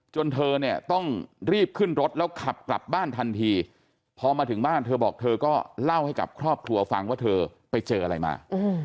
เธอเนี่ยต้องรีบขึ้นรถแล้วขับกลับบ้านทันทีพอมาถึงบ้านเธอบอกเธอก็เล่าให้กับครอบครัวฟังว่าเธอไปเจออะไรมา